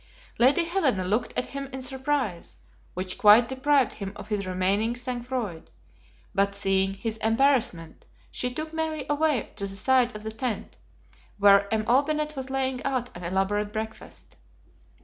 Lady Helena looked at him in surprise, which quite deprived him of his remaining sang froid; but seeing his embarrassment, she took Mary away to the side of the tent, where M. Olbinett was laying out an elaborate breakfast.